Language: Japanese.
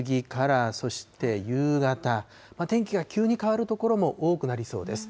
昼過ぎから、そして夕方、天気が急に変わる所も多くなりそうです。